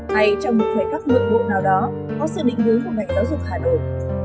hay trong một thời khắc lượng bộ nào đó có sự định hướng của ngành giáo dục hà nội